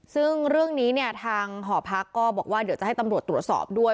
ซึ่งเรื่องนี้เนี่ยทางหอพักก็บอกว่าเดี๋ยวจะให้ตำรวจตรวจสอบด้วย